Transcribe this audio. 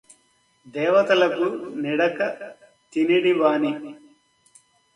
దేవతలకు నిడక తినెడివాని